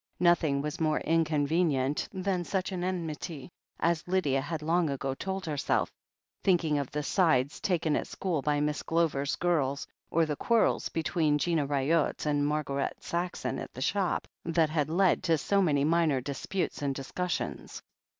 Nothing was more inconvenient than such an enmity, as Lydia had long ago told herself, think ing of the "sides" taken at school by Miss Glover's girls, or the quarrels between Gina Ryott and Mar guerite Saxon at the shop, that had led to so many minor disputes and discussions.